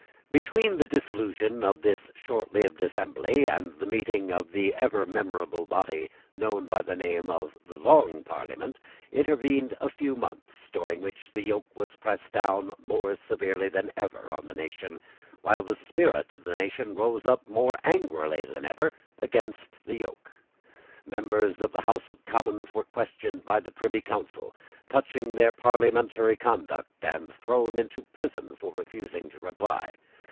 Between the dissolution of this shortlived assembly and the meeting of that ever memorable body known by the name of the Long Parliament, intervened a few months, during which the yoke was pressed down more severely than ever on the nation, while the spirit of the nation rose up more angrily than ever against the yoke. Members of the House of Commons were questioned by the Privy Council touching their parliamentary conduct, and thrown into prison for refusing to reply.